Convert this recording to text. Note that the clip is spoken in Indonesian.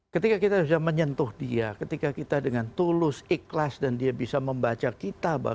ketika kita sudah menyentuh dia ketika kita dengan tulus ikhlas dan dia bisa membaca kita